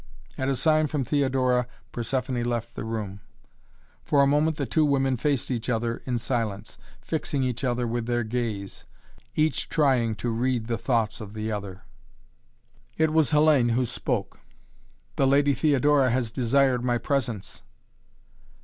At a sign from Theodora Persephoné left the room. For a moment the two women faced each other in silence, fixing each other with their gaze, each trying to read the thoughts of the other. It was Hellayne who spoke. "The Lady Theodora has desired my presence."